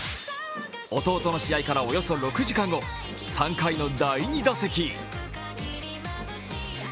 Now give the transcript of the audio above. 弟の試合からおよそ６時間後、３回の第２打席。